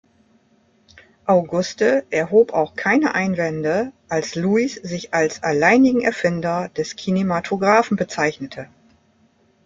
Auguste erhob auch keine Einwände, als Louis sich als alleinigen Erfinder des Kinematographen bezeichnete.